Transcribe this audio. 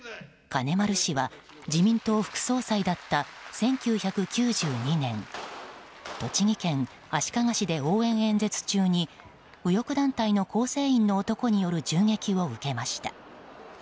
金丸氏は自民党副総裁だった１９９２年栃木県足利市で応援演説中に右翼団体の構成員の男による銃撃を受けました。